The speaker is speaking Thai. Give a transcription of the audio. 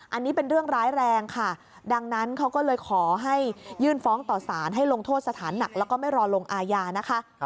อันนี้เป็นเรื่องร้ายแรงค่ะดังนั้นเขาก็เลยขอให้ยื่นฟ้องต่อสารให้ลงโทษสถานหนักแล้วก็ไม่รอลงอาญานะคะ